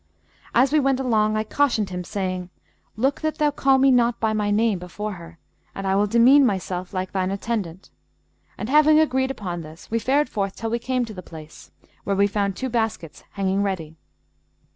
As we went along, I cautioned him, saying, 'Look that thou call me not by my name before her; and I will demean myself like thine attendant.' And having agreed upon this, we fared forth till we came to the place, where we found two baskets hanging ready.